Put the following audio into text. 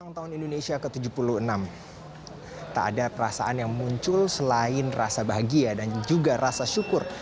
tahun indonesia ke tujuh puluh enam tak ada perasaan yang muncul selain rasa bahagia dan juga rasa syukur